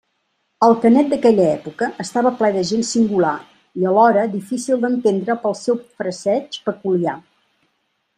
El Canet d'aquella època estava ple de gent singular i alhora difícil d'entendre pel seu fraseig peculiar.